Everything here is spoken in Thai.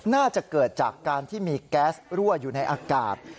น่าจะเกิดจากการที่มีแก๊สรั่วอยู่ในอากาศ